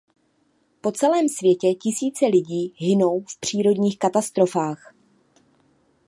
Po celém světě tisíce lidí hynou v přírodních katastrofách.